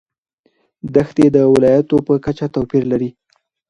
دښتې د ولایاتو په کچه توپیر لري.